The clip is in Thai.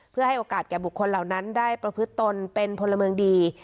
เพื่อให้โอกาสแก่บุคคลเหล่านั้นได้ประพฤติตนเป็นพลเมืองดี